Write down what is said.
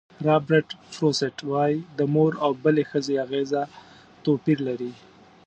رابرټ فروسټ وایي د مور او بلې ښځې اغېزه توپیر لري.